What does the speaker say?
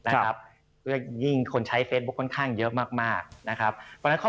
คุณสินทะนันสวัสดีครับ